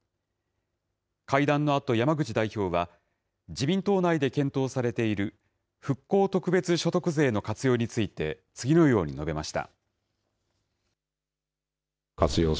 会談のあと、山口代表は、自民党内で検討されている復興特別所得税の活用について、次のように述べました。